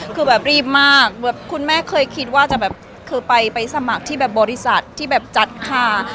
คือแบบรีบมากคุณแม่เคยคิดว่าจะไปสมัครที่บริษัทที่จัดค่า